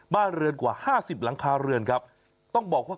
บ้านเรือนกว่า๕๐หลังคาเรือนต้องบอกว่าจะได้รับความเดือดร้อนอย่างหนักนะครับ